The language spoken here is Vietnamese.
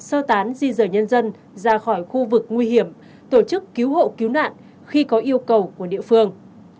sơ tán di rời nhân dân ra khỏi khu vực nguy hiểm tổ chức cứu hộ cứu nạn khi có yêu cầu của địa phương